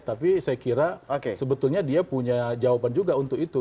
tapi saya kira sebetulnya dia punya jawaban juga untuk itu